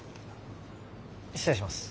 失礼します。